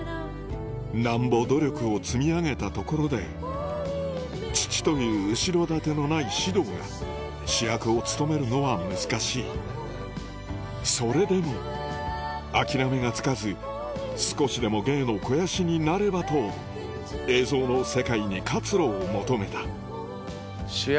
なんぼ努力を積み上げたところで父という後ろ盾のない獅童が主役を務めるのは難しいそれでも諦めがつかず少しでも芸の肥やしになればと映像の世界に活路を求めた